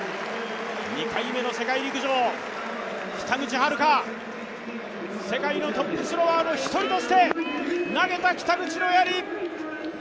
２回目の世界陸上、北口榛花、世界のトップスローワーの一人として投げた北口のやり。